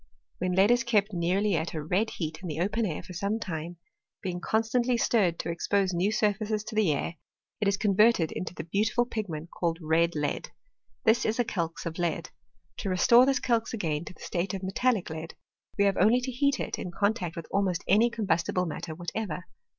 When lead is kept nearly at a red heat in the open air for some time, being constantly stirred to expose new surfaces to the air, it is converted into the beau tiful pigment called red lead ; this is a calx of lead. To restore this calx again to the state of metallic lead, we have only to heat it in contact with almost any com bustible matter whatever.